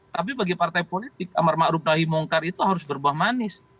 tapi bagi partai politik amar ma'ruf nahi mongkar itu harus berbuah manis